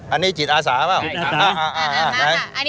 อันนี้จิตอาสาเปล่า